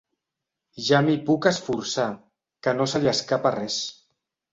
Ja m'hi puc esforçar, que no se li escapa res.